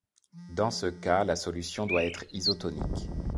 Dans ce cas, la solution doit être isotonique.